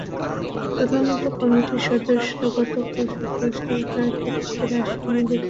তদন্ত কমিটির সদস্যরা গতকাল সকাল সাড়ে নয়টার দিকে রাজশাহী মেডিকেল কলেজ হাসপাতালে আসেন।